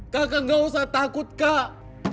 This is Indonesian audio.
kakak gak usah takut kak